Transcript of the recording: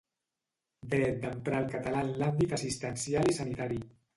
Dret d’emprar el català en l’àmbit assistencial i sanitari.